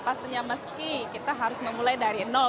pastinya meski kita harus memulai dari nol